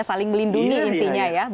saling melindungi intinya ya